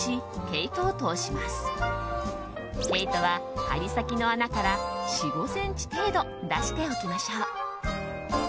毛糸は針先の穴から４５ｃｍ程度出しておきましょう。